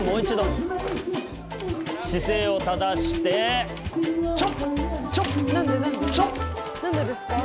姿勢を正して何で何で？何でですか？